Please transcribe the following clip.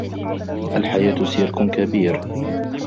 الحياة سيرك كبير.